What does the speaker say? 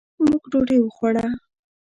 موږ ډوډۍ وخوړه.